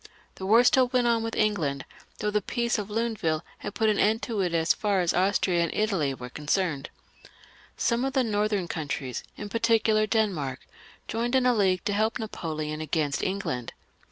The war stiU went on with England, though the peace of Luneville had put an end to it as far as Austria and Italy were concerned. Some of the northern countries, in particular Denmark, joined in a league to help Napoleon against England.